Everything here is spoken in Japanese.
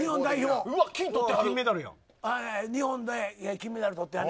金メダル持ってはる。